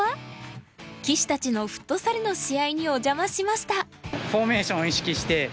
棋士たちのフットサルの試合にお邪魔しました。